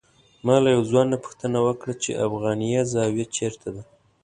ما له یو ځوان نه پوښتنه وکړه چې افغانیه زاویه چېرته ده.